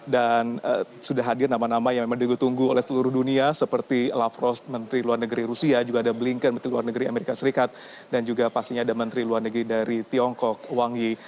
dan sudah hadir nama nama yang memang digutunggu oleh seluruh dunia seperti lavros menteri luar negeri rusia juga ada blinken menteri luar negeri amerika serikat dan juga pastinya ada menteri luar negeri dari tiongkok wang yi